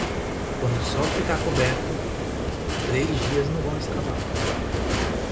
Quando o sol ficar coberto, três dias não vão escapar.